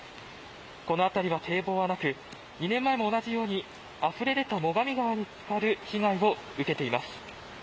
この辺りは堤防はなく２年前も同じようにあふれ出た最上川につかる被害を受けています。